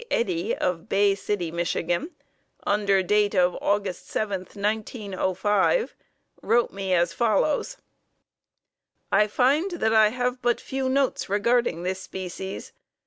Eddy of Bay City, Mich., under date of Aug. 7, 1905, wrote me as follows: I find that I have but few notes regarding this species.